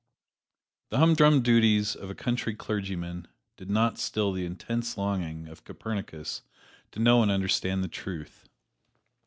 The humdrum duties of a country clergyman did not still the intense longing of Copernicus to know and understand the truth.